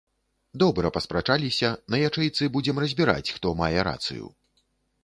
Добра паспрачаліся, на ячэйцы будзем разбіраць, хто мае рацыю.